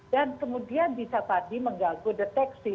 dan kemudian bisa tadi mengganggu deteksi